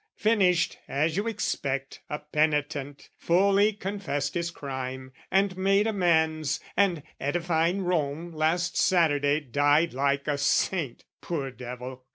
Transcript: "Finished, as you expect, a penitent, "Fully confessed his crime, and made amends, "And, edifying Rome last Saturday, "Died like a saint, poor devil!